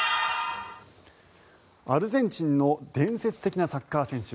アルゼンチンの伝説的なサッカー選手